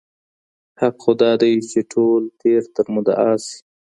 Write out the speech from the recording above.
حق خو دا دی چي ټول تېر تر مدعا سي